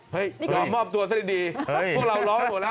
ยอมมอบตัวซะดีพวกเราร้องหมดแล้ว